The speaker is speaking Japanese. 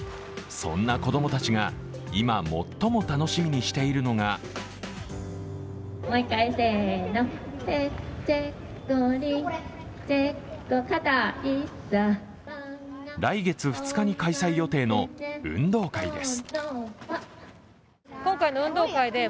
そんな子供たちが今最も楽しみにしているのが来月２日に開催予定の運動会です。